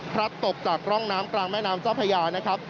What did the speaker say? พลัดตกจากร่องน้ำกลางแม่น้ำจ้าพยา